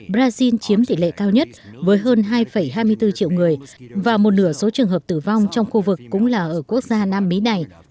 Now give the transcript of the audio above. brazil chiếm tỷ lệ cao nhất với hơn hai hai mươi bốn triệu người và một nửa số trường hợp tử vong trong khu vực cũng là ở quốc gia nam mỹ này